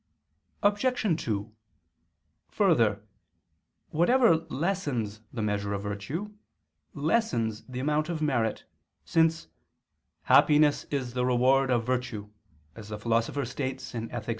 Obj. 2: Further, whatever lessens the measure of virtue, lessens the amount of merit, since "happiness is the reward of virtue," as the Philosopher states (Ethic.